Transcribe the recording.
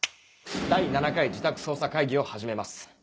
第７回自宅捜査会議を始めます。